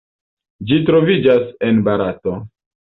Ĝi troviĝas en Barato.